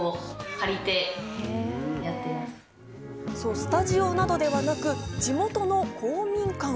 スタジオなどではなく地元の公民館。